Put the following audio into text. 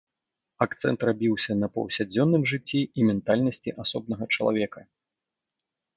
Акцэнт рабіўся на паўсядзённым жыцці і ментальнасці асобнага чалавека.